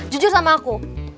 jujur sama aku